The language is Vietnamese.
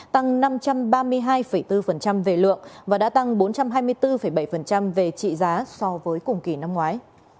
tăng năm trăm ba mươi hai bốn về lượng và đã tăng bốn trăm hai mươi bốn bảy về trị giá so với cùng kỳ năm ngoái